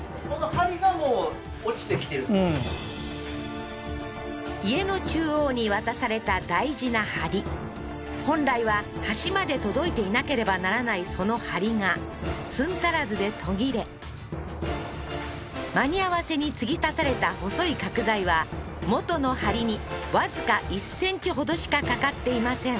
もううん家の中央に渡された大事な梁本来は端まで届いていなければならないその梁が寸足らずで途切れ間に合わせに継ぎ足された細い角材は元の梁にわずか１ｃｍほどしかかかっていません